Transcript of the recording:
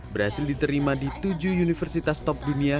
berhasil diterima di tujuh universitas top dunia